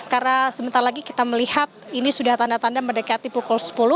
karena sebentar lagi kita melihat ini sudah tanda tanda mendekati pukul sepuluh